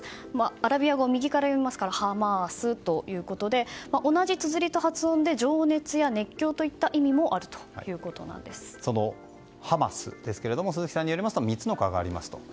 アラビア語は右から読みますから「ハマース」ということで同じつづりと発音で情熱や熱狂というそのハマスですけれども鈴木さんによりますと３つの顔がありますと。